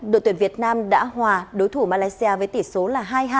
đội tuyển việt nam đã hòa đối thủ malaysia với tỷ số là hai